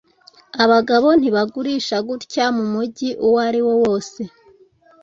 Abagabo ntibagurisha gutya mumujyi uwariwo wose